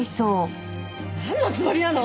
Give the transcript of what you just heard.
なんのつもりなの！？